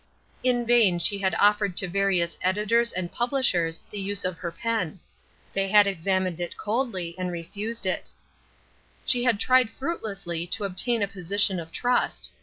In vain she had offered to various editors and publishers the use of her pen. They had examined it coldly and refused it. She had tried fruitlessly to obtain a position of trust.